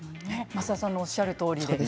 増田さんのおっしゃるとおりです。